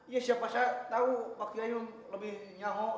ya siapa saya tau pak kiai yang lebih nyaho